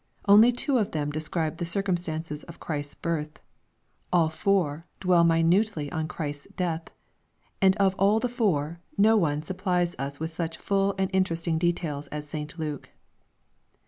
Only two of them describe the circumstances of Christ's birth. All four dwell minutely on Christ's death. And of all the four, no one suppliss us with such full and interesting details as St. Luke.